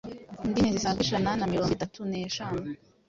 indimi zisaga ijana na mirongo itatu neshanu